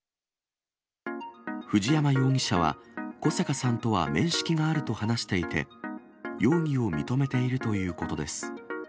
藤山容疑者は、小阪さんとは面識があると話していて、容疑を認めているということです。